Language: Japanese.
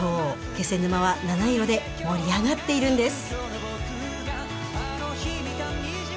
気仙沼は七色で盛り上がっているんです。